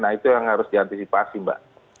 nah itu yang harus diantisipasi mbak